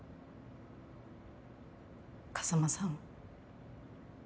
風真さん。